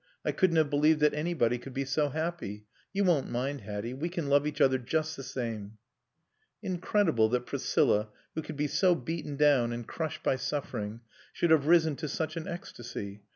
I couldn't have believed that anybody could be so happy. You won't mind, Hatty. We can love each other just the same...." Incredible that Priscilla, who could be so beaten down and crushed by suffering, should have risen to such an ecstasy.